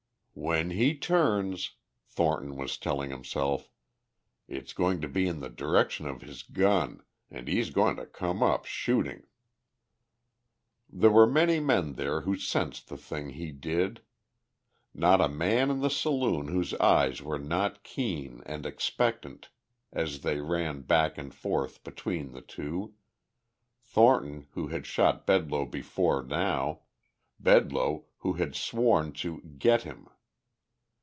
"When he turns," Thornton was telling himself, "it's going to be in the direction of his gun, and he's going to come up shooting." There were many men there who sensed the thing he did. Not a man in the saloon whose eyes were not keen and expectant as they ran back and forth between the two, Thornton who had shot Bedloe before now, Bedloe who had sworn to "get him."